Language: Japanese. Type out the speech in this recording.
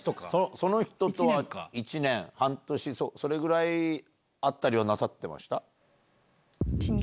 その人とは一年半年それぐらい会ったりはなさってました？